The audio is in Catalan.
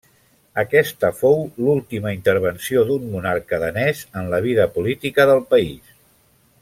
Aquesta fou l'última intervenció d'un monarca danès en la vida política del país.